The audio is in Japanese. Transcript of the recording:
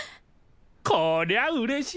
こりゃうれしい！